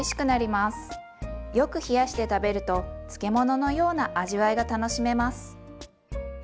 よく冷やして食べると漬物のような味わいが楽しめます。